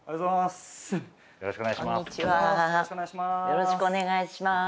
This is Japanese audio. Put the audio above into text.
よろしくお願いします。